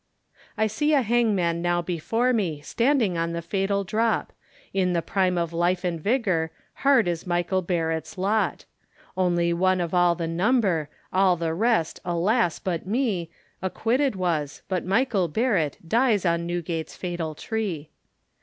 I see the hangman now before me, Standing on the fatal drop, In the prime of life and vigour, Hard is Michael Barrett's lot: Only one of all the number, All the rest, alas! but me, Acquitted was, but Michael Barrett Dies on Newgate's fatal tree.